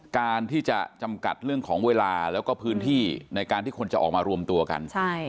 การที่จะจำกัดเรื่องของเวลาแล้วก็พื้นที่ในการที่คนจะออกมารวมตัวกัน